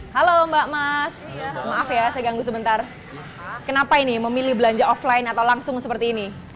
halo mbak mas maaf ya saya ganggu sebentar kenapa ini memilih belanja offline atau langsung seperti ini